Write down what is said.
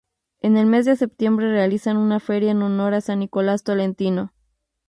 En el mes de septiembre realizan una feria en honor a San Nicolás Tolentino.